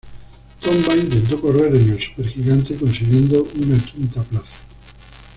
Tomba intentó correr en el supergigante consiguiendo una quinta plaza.